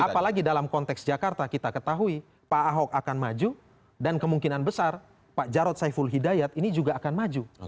apalagi dalam konteks jakarta kita ketahui pak ahok akan maju dan kemungkinan besar pak jarod saiful hidayat ini juga akan maju